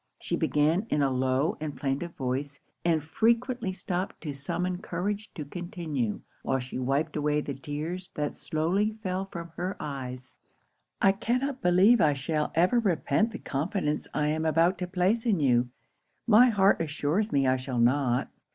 She began in a low and plaintive voice; and frequently stopped to summon courage to continue, while she wiped away the tears that slowly fell from her eyes. 'I cannot believe I shall ever repent the confidence I am about to place in you. My heart assures me I shall not.